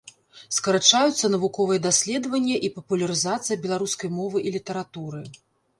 Скарачаюцца навуковыя даследаванні і папулярызацыя беларускай мовы і літаратуры.